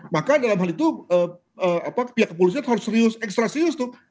maka dalam hal itu pihak kepolisian harus serius ekstra serius tuh